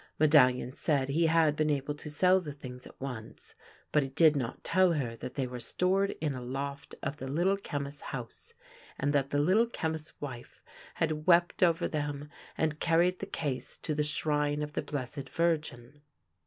^Medallion said he had been able to sell the things at once, but he did not tell her thai they were stored in a loft of the Little Chemist's house, and that the Little Chemist's wife had wept over them and car ried the case to the shrine of the Blessed Virgin.